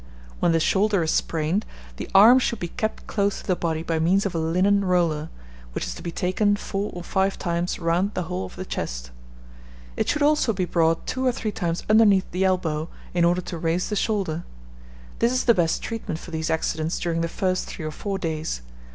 When the shoulder is sprained, the arm should be kept close to the body by means of a linen roller, which is to be taken four or five times round the whole of the chest. It should also be brought two or three times underneath the elbow, in order to raise the shoulder. This is the best treatment for these accidents during the first three or four days.